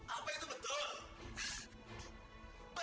apa itu betul